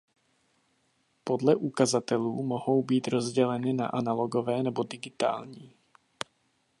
Podle ukazatelů mohou být rozděleny na analogové nebo digitální.